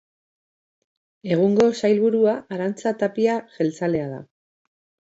Egungo Sailburua Arantza Tapia jeltzalea da.